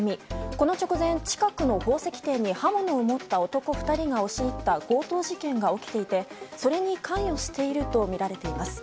この直前、近くの宝石店に刃物を持った男２人が押し入った強盗事件が起きていてそれに関与しているとみられています。